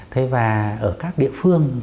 thế và ở các địa phương